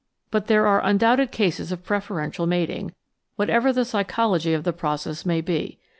But there are undoubted cases of preferential mating, whatever the psychology of the process may be.